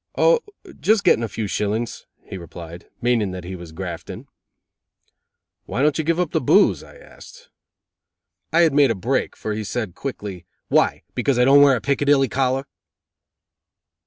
"O, just getting a few shillings," he replied, meaning that he was grafting. "Why don't you give up the booze?" I asked. I had made a break, for he said, quickly: "Why? Because I don't wear a Piccadilly collar?"